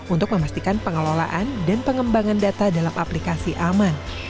untuk memastikan pengelolaan dan pengembangan data dalam aplikasi aman